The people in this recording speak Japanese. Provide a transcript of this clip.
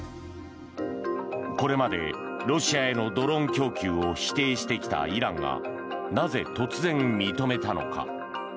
これまでロシアへのドローン供給を否定してきたイランがなぜ、突然認めたのか。